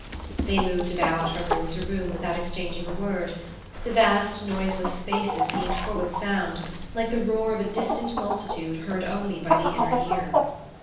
They moved about from room to room without exchanging a word. The vast noiseless spaces seemed full of sound, like the roar of a distant multitude heard only by the inner ear.